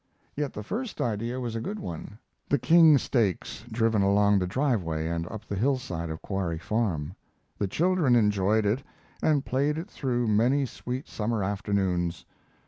Yet the first idea was a good one: the king stakes driven along the driveway and up the hillside of Quarry Farm. The children enjoyed it, and played it through many sweet summer afternoons.